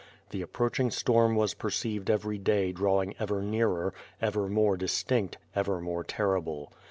The approaching storm was perceived each day drawing ever nearer, ever more dis tinct, ever more terrible.